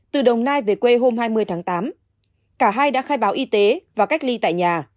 từ đồng nai về quê hôm hai mươi tháng tám cả hai đã khai báo y tế và cách ly tại nhà